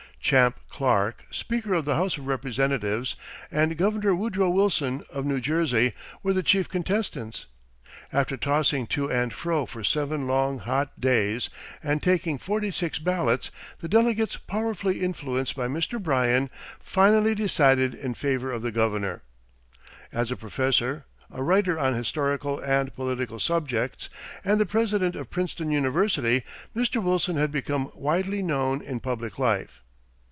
Champ Clark, Speaker of the House of Representatives, and Governor Woodrow Wilson, of New Jersey, were the chief contestants. After tossing to and fro for seven long, hot days, and taking forty six ballots, the delegates, powerfully influenced by Mr. Bryan, finally decided in favor of the governor. As a professor, a writer on historical and political subjects, and the president of Princeton University, Mr. Wilson had become widely known in public life.